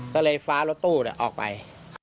ก็เลยฟ้ารถตู้ออกไป